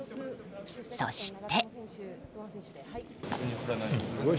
そして。